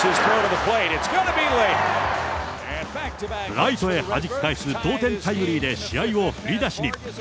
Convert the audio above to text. ライトへはじき返す同点タイムリーで試合を振り出しに。